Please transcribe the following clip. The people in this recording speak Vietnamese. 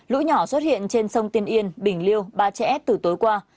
lũ nhỏ xuất hiện trên sông tiên yên bình liêu ba trẻ từ tối qua